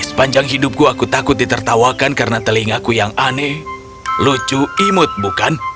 sepanjang hidupku aku takut ditertawakan karena telingaku yang aneh lucu imut bukan